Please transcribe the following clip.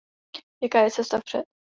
Jaká je cesta vpřed?